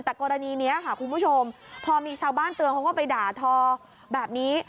แต่กรณีนี้ค่ะคุณผู้ชมพอมีชาวบ้านเตือนเขาก็ไปด่าทอแบบนี้